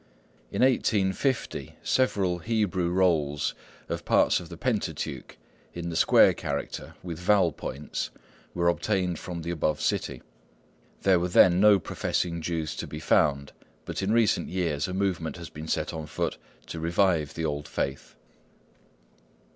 In 1850 several Hebrew rolls of parts of the Pentateuch, in the square character, with vowel points, were obtained from the above city. There were then no professing Jews to be found, but in recent years a movement has been set on foot to revive the old faith.